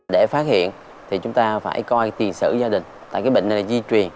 để phát hiện thì chúng ta phải coi tiền sử gia đình tại cái bệnh này di truyền